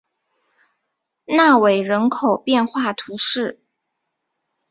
纳韦人口变化图示